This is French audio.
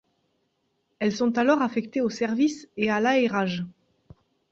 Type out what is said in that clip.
Elles sont alors affectées au service et à l'aérage.